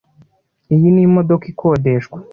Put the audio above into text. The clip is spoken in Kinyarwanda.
Iyi ni imodoka ikodeshwa.